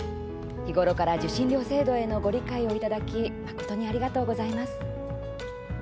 日頃から受信料制度へのご理解をいただき誠にありがとうございます。